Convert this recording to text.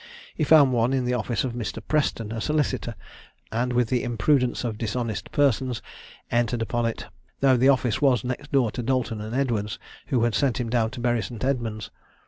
He found one in the office of Mr. Preston, solicitor; and with the imprudence of dishonest persons, entered upon it, though the office was next door to Dalton and Edwards, who had sent him down to Bury St. Edmund's.